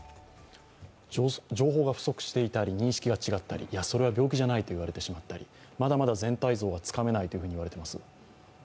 情報が不足していたり認識が違ったりそれは病気じゃないと言われてしまったり、まだまだ全体像がつかめないと言われいてます。